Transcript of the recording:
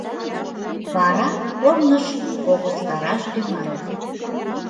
Вара корныш погыстараш тӱҥале.